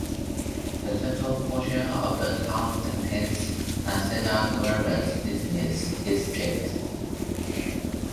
The central portion of the town contains Cedar Grove's business district.